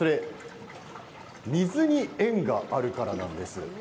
水に縁があるからなんです。